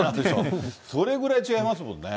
それぐらい違いますもんね。